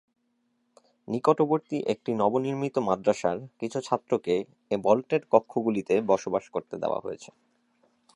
নিকটবর্তী একটি নবনির্মিত মাদ্রাসার কিছু ছাত্রকে এ ভল্টেড কক্ষগুলিতে বসবাস করতে দেওয়া হয়েছে।